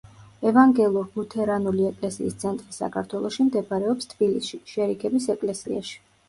ევანგელურ-ლუთერანული ეკლესიის ცენტრი საქართველოში მდებარეობს თბილისში, შერიგების ეკლესიაში.